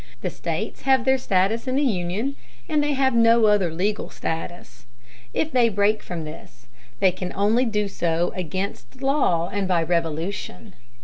The States have their status in the Union, and they have no other legal status. If they break from this, they can only do so against law and by revolution.